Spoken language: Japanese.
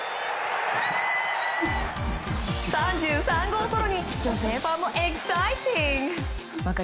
３３号ソロに女性ファンもエキサイティング！